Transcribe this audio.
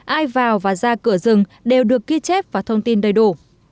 ai vào và ra cửa rừng đều được ghi chép và thông tin đầy đủ